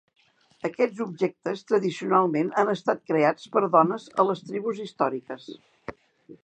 Aquests objectes tradicionalment han estat creats per dones a les tribus històriques.